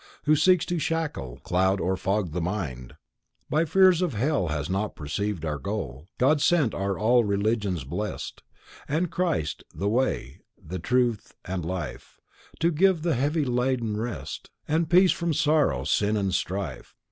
Who seeks to shackle, cloud or fog the mind By fears of Hell has not perceived our goal. God sent are all religions blest; And Christ, the Way, the Truth and Life, To give the heavy laden rest, And peace from Sorrow, Sin and Strife.